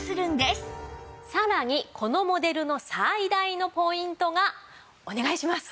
さらにこのモデルの最大のポイントがお願いします！